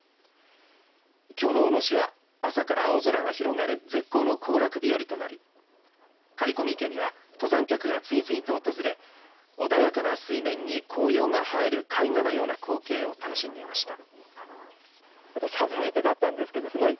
きょうの大野市は朝から青空が広がる絶好の行楽日和となり刈込池には登山客が次々と訪れ穏やかな水面に紅葉が映える絵画のような光景を楽しんでいました。